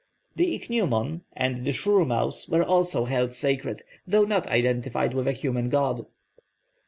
The ichneumon and the shrewmouse were also held sacred, though not identified with a human god.